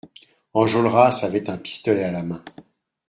Enjolras avait un pistolet à la main.